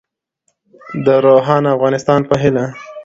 د روښانه افغانستان په هیله.